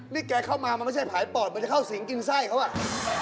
นี่แกเข้ามามันไม่ใช่ผายปอดมันจะเข้าสิงกินไส้เขาอ่ะ